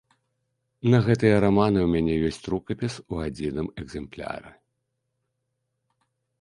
На гэтыя раманы ў мяне ёсць рукапіс у адзіным экзэмпляры.